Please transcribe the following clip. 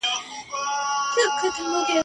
له سېله پاته له پرواز څخه لوېدلی یمه !.